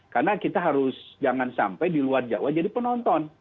karena kita harus jangan sampai di luar jawa jadi penonton